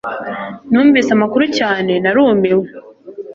Numvise amakuru cyane narumiwe